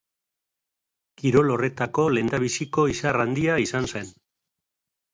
Kirol horretako lehenbiziko izar handia izan zen.